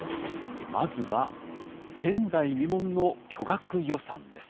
まずは「前代未聞の巨額予算」です。